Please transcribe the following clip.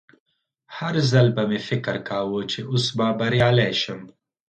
هر ځل به مې فکر کاوه چې اوس به بریالی شم